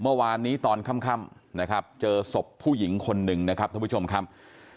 เมื่อวานนี้ตอนค่ำนะครับเจอศพผู้หญิงคนหนึ่งนะครับท่านผู้ชมครับ